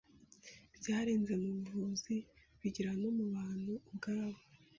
byarenze mu buvuzi bigera no mubantu ubwabo